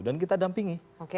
dan kita dampingi